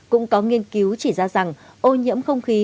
cũng có nghiên cứu chỉ ra rằng ô nhiễm không khí